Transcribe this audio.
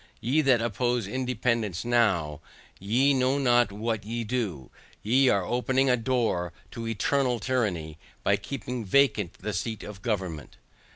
Ye that oppose independance now, ye know not what ye do; ye are opening a door to eternal tyranny, by keeping vacant the seat of government.